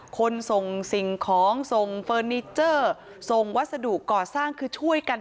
คนส่งสิ่งของส่งเฟอร์นิเจอร์ส่งวัสดุก่อสร้างคือช่วยกัน